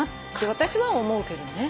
私は思うけどね。